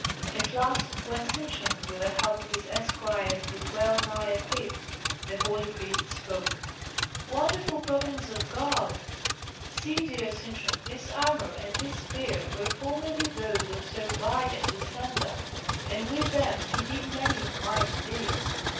At last, when Sintram, with the help of his esquires, was well nigh equipped, the holy priest spoke: "Wonderful providence of God! See, dear Sintram, this armour and this spear were formerly those of Sir Weigand the Slender, and with them he did many mighty deeds.